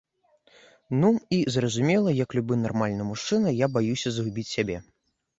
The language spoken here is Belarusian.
Ну і, зразумела, як любы нармальны мужчына я баюся згубіць сябе.